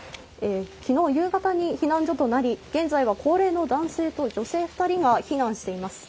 きのう夕方に避難所となり、現在は高齢の男性と女性２人が避難しています。